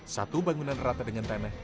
satu bangunan rata dengan tanah